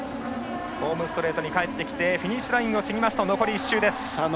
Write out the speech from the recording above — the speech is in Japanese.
ホームストレートに帰ってきてフィニッシュラインを過ぎると残り１周。